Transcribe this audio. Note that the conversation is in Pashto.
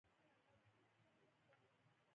زه د بېوزلو سره مرسته کوم.